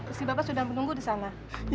pasti bapak sudah menunggu disana